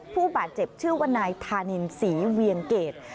ผู้บาดเจ็บชื่อว่านายธานินศรีเวียงเกต